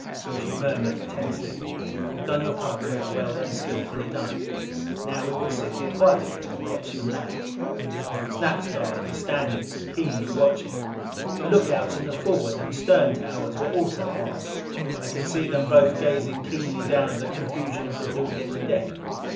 She murmured tensely, "You have done your part, Gregg. Well and skillfully done. Now we will sit here quietly and watch them land." Snap's guard was standing, keenly watching. The lookouts in the forward and stern towers were also armed; I could see them both gazing keenly down at the confusion of the blue lit deck.